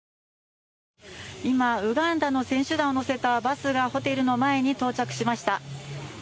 今、ウガンダの選手団を乗せたバスがホテルの前に到着しました。